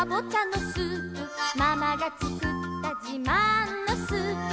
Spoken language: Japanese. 「ママがつくったじまんのスープ」